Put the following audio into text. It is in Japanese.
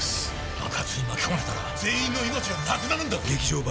爆発に巻き込まれたら全員の命がなくなるんだ！